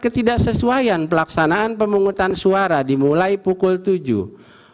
ketidaksesuaian pelaksanaan pemungutan suara dimulai pukul delapan belas dan pengalaman halusannya dalam